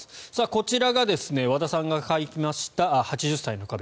こちらが和田さんが書きました「８０歳の壁」。